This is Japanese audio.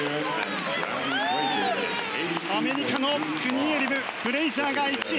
アメリカのクニエリムフレイジャーが１位。